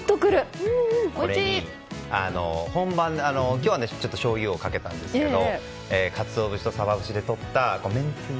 今日はしょうゆをかけたんですがカツオ節とサバ節でとっためんつゆ。